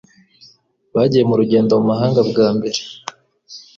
Bagiye mu rugendo mu mahanga bwa mbere.